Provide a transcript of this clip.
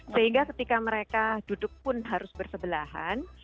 sehingga ketika mereka duduk pun harus bersebelahan